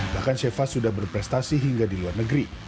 bahkan shefa sudah berprestasi hingga di luar negeri